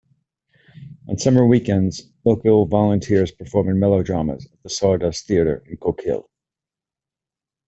On summer weekends, local volunteers perform in melodramas at the Sawdust Theatre in Coquille.